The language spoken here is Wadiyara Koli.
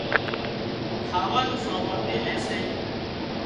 کاوا نُون سامان ميلي سي